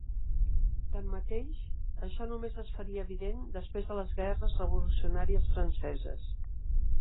Tanmateix, això només es faria evident després de les Guerres revolucionàries franceses.